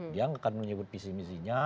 dia nggak akan menyebut visi misinya